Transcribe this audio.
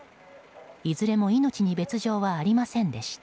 いずれも命に別条はありませんでした。